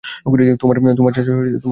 তোমার ছাঁচ আরো আশ্চর্য।